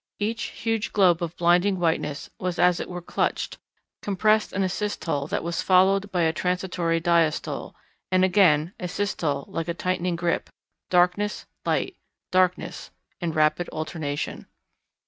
Each huge globe of blinding whiteness was as it were clutched, compressed in a systole that was followed by a transitory diastole, and again a systole like a tightening grip, darkness, light, darkness, in rapid alternation.